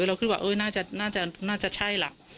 เราคิดว่าน่าจะใช่ล่ะ